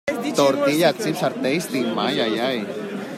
Tortilla chips are tasty.